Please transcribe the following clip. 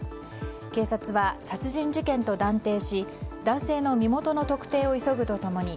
警察は殺人事件と断定し男性の身元の特定を急ぐと共に